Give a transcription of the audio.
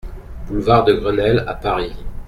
Boulevard de Grenelle à Paris